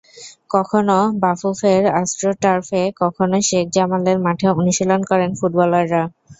কখনো বাফুফের অ্যাস্ট্রো টার্ফে, কখনো শেখ জামালের মাঠে অনুশীলন করেন ফুটবলাররা।